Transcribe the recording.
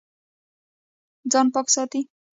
ځان پاک ساتئ